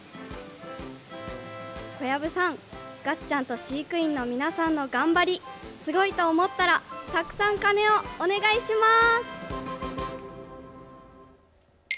小籔さん、がっちゃんと飼育員の皆さんの頑張りすごいと思ったらたくさん鐘をお願いします。